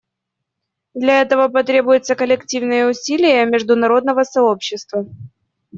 Для этого потребуются коллективные усилия международного сообщества.